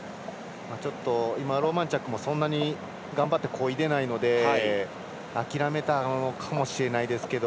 ローマンチャックもそんなに頑張ってこいでないので諦めたのかもしれないですけど。